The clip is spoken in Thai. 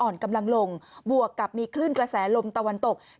อ่อนกำลังลงบวกกับมีคลื่นกระแสลมตะวันตก